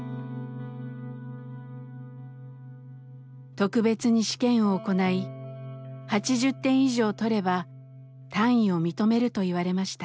特別に試験を行い８０点以上取れば単位を認めると言われました。